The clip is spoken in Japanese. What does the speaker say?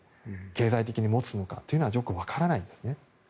経済的に持つのかはよく分からないんですね。